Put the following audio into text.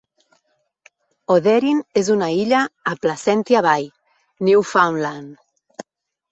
Oderin és una illa a Placentia Bay, Newfoundland.